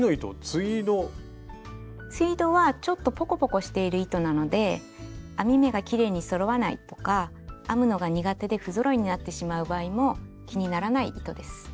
ツイードはちょっとポコポコしている糸なので編み目がきれいにそろわないとか編むのが苦手で不ぞろいになってしまう場合も気にならない糸です。